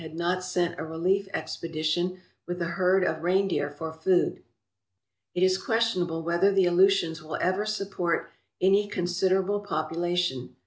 if the United States Gov ernment had not sent a relief expedition with a herd of reindeer for food. It is questionable whether the Aleutians will ever support any considerable population.